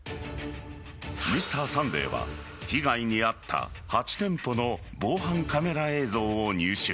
「Ｍｒ．サンデー」は被害に遭った８店舗の防犯カメラ映像を入手。